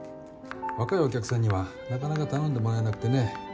若いお客さんにはなかなか頼んでもらえなくてね。